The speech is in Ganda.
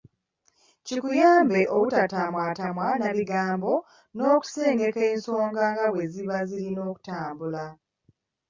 Kikuyamba obutatamattama na bigambo n’okusengeka ensonga nga bwe ziba zirina okutambula.